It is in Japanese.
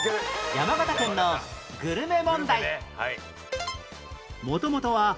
山形県のグルメ問題